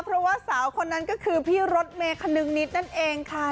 เพราะว่าสาวคนนั้นก็คือพี่รถเมย์คนึงนิดนั่นเองค่ะ